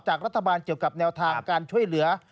รัฐบาลเกี่ยวกับแนวทางการช่วยเหลือ